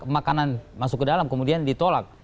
makanan masuk ke dalam kemudian ditolak